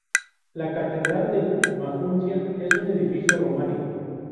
La catedral de Maguncia es un edificio románico.